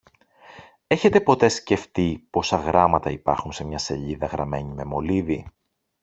Έχετε ποτέ σκεφτεί πόσα γράμματα υπάρχουν σε μια σελίδα γραμμένη με μολύβι